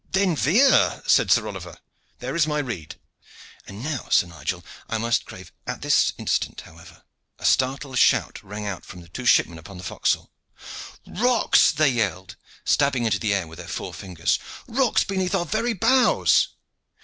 "Then veer," said Sir Oliver. "There is my rede; and now, Sir Nigel, I must crave " At this instant, however, a startled shout rang out from two seamen upon the forecastle. "Rocks!" they yelled, stabbing into the air with their forefingers. "Rocks beneath our very bows!"